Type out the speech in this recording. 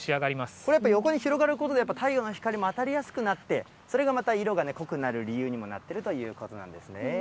これはやっぱり、横に広がることで、太陽の光も当たりやすくなって、それがまた色が濃くなる理由にもなってるということなんですね。